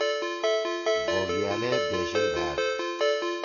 بوگیال ئے بیشِل بھأد۔